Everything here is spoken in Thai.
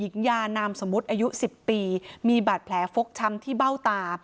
ยานามสมมุติอายุ๑๐ปีมีบาดแผลฟกช้ำที่เบ้าตา